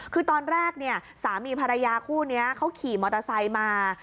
คือตอนแรกเนี่ยสามีภรรยาคู่นี้เขาขี่มอเตอร์ไซค์มา